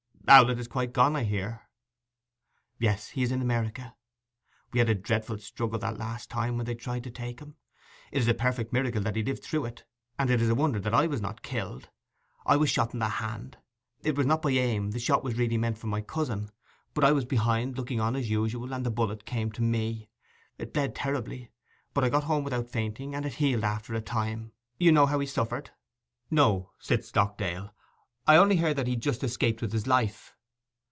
'Owlett is quite gone, I hear.' 'Yes. He is in America. We had a dreadful struggle that last time, when they tried to take him. It is a perfect miracle that he lived through it; and it is a wonder that I was not killed. I was shot in the hand. It was not by aim; the shot was really meant for my cousin; but I was behind, looking on as usual, and the bullet came to me. It bled terribly, but I got home without fainting; and it healed after a time. You know how he suffered?' 'No,' said Stockdale. 'I only heard that he just escaped with his life.